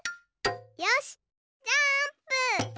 よしジャーンプ！